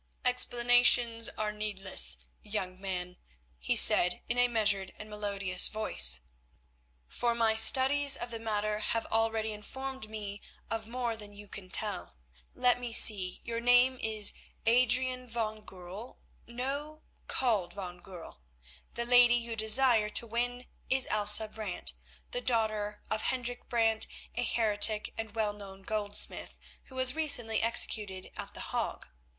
"Explanations are needless, young man," he said, in a measured and melodious voice, "for my studies of the matter have already informed me of more than you can tell. Let me see; your name is Adrian van Goorl—no, called Van Goorl; the lady you desire to win is Elsa Brant, the daughter of Hendrik Brant, a heretic and well known goldsmith, who was recently executed at The Hague.